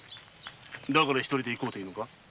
だから一人で行くというのか？